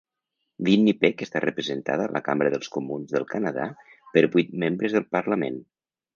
Winnipeg està representada a la Cambra dels Comuns del Canadà per vuit membres del Parlament.